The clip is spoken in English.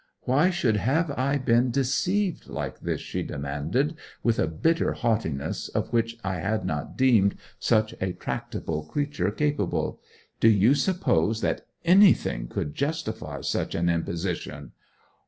'Why should have I been deceived like this?' she demanded, with a bitter haughtiness of which I had not deemed such a tractable creature capable. 'Do you suppose that anything could justify such an imposition?